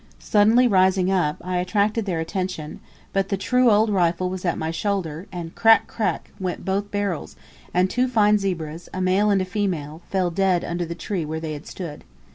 Suddenly rising up, I attracted their attention; but the true old rifle was at my shoulder, and "crack crack" went both barrels, and two fine zebras, a male and female, fell dead under the tree where they had stood.